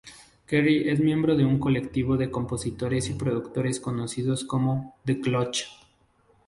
Keri es miembro de un colectivo de compositores y productores conocidos como The Clutch.